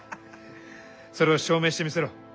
それを証明してみせろ。